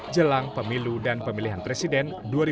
jelang pemilu dan pemilihan presiden dua ribu dua puluh empat